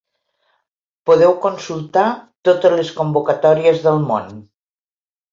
Podeu consultar totes les convocatòries del món.